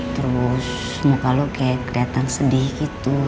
terus muka lo kayak keliatan sedih gitu